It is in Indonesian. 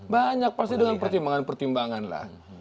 banyak pasti dengan pertimbangan pertimbangan lah